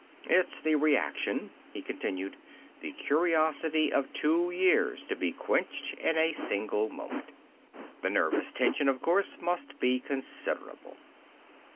"It's the reaction," he continued. "The curiosity of two years to be quenched in a single moment! The nervous tension, of course, must be considerable."